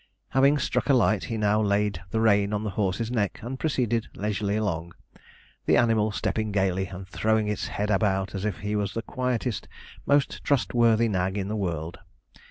Having struck a light, he now laid the rein on the horse's neck and proceeded leisurely along, the animal stepping gaily and throwing its head about as if he was the quietest, most trustworthy nag in the world.